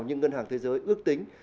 nhưng ngân hàng thế giới ước tính